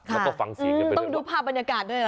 ต้องดูภาพบรรยากาศด้วยหรือครับ